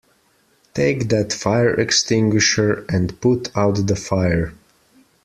Take that fire extinguisher and put out the fire!